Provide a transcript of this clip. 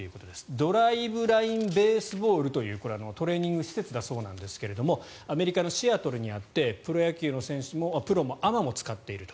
ドライブライン・ベースボールというこれはトレーニング施設だそうですがアメリカのシアトルにあってプロもアマも使っていると。